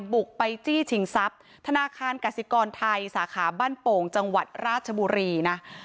บุกไปจี้ชิงทรัพย์ธนาคารกสิกรไทยสาขาบ้านโป่งจังหวัดราชบุรีนะ